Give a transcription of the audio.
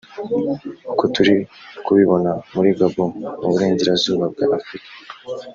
uko turi kubibona muri Gabon mu Burengerazuba bwa Afurika